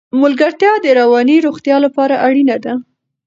ملګرتیا د رواني روغتیا لپاره اړینه ده.